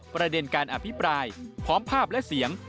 ประเด็นการอภิปรายพร้อมภาพและเสียง